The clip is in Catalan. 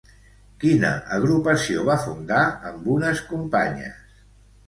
Quina agrupació va fundar amb unes companyes?